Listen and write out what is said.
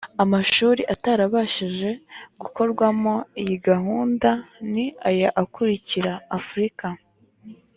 amashuri atarabashije gukorwamo iyi gahunda ni aya akurikira african